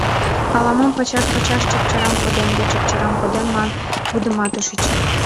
Ала-мом пачаш-пачаш «чапчарам кодем» да «чапчарам кодем» ман вудыматышыч.